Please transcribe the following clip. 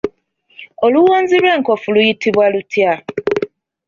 Oluwonzi lw'enkofu luyitibwa lutya?